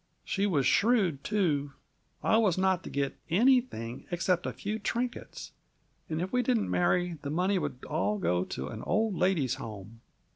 "She was shrewd, too. I was not to get anything except a few trinkets. And if we didn't marry, the money would all go to an old ladies' home.